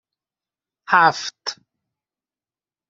هفت